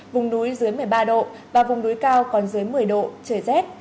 vùng núi dưới một mươi ba độ và vùng núi cao còn dưới một mươi độ trời rét